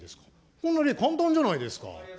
こんな例、簡単じゃないですか。